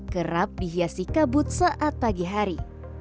kerap dihiasi kabut saat pagi hari